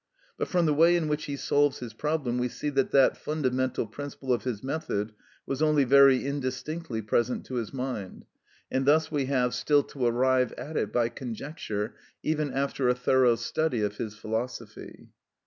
But from the way in which he solves his problem we see that that fundamental principle of his method was only very indistinctly present to his mind, and thus we have still to arrive at it by conjecture even after a thorough study of his philosophy.